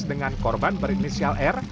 dengan korban berinisial r